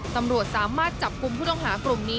ตำรวจสามารถจับกลุ่มผู้ต้องหากลุ่มนี้